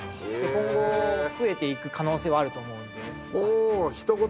今後増えていく可能性はあると思うので。